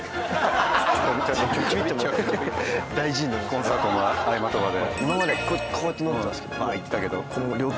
コンサートの合間とかで。